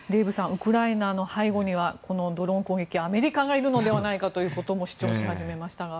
ウクライナの背後にはドローン攻撃、アメリカがいるのではないかということも主張し始めましたが。